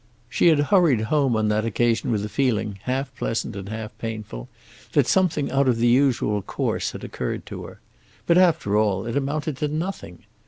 She had hurried home on that occasion with a feeling, half pleasant and half painful, that something out of the usual course had occurred to her. But, after all, it amounted to nothing.